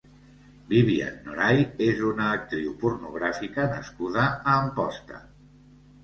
Bibian Norai és una actriu pornogràfica nascuda a Amposta.